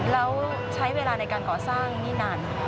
แล้วใช้เวลาในการก่อสร้างนี่นาน